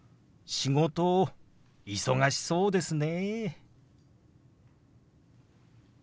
「仕事忙しそうですね」。